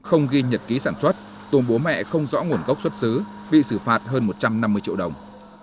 không ghi nhật ký sản xuất tôm bố mẹ không rõ nguồn gốc xuất xứ bị xử phạt hơn một trăm năm mươi triệu đồng